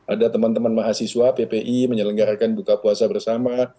ada teman teman mahasiswa ppi menyelenggarakan buka puasa bersama